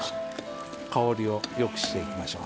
香りをよくしていきましょう。